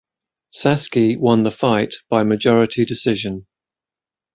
Sasaki won the fight by majority decision.